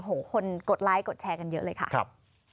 คนกดไลค์กดแชร์กันเยอะเลยค่ะครับ